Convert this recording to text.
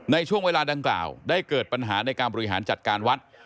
ในช่วงเวลาดังกล่าวได้เกิดปัญหาในการบริหารจัดการวัด